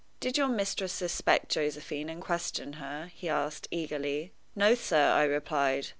"Did your mistress suspect Josephine and question her?" he asked, eagerly. "No, sir," I replied.